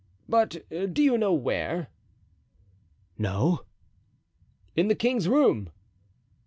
But do you know where?" "No." "In the king's room."